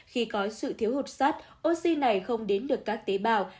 khi có sự thiếu hụt sát oxy này không đến được các tế bào